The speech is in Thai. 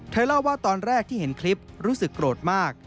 เล่าว่าตอนแรกที่เห็นคลิปรู้สึกโกรธมาก